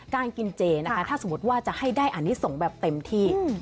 การกินเจนะคะถ้าสมมติว่าจะให้ได้อันนี้ส่งแบบเต็มที่